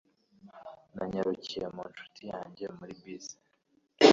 Nanyarukiye mu nshuti yanjye muri bisi.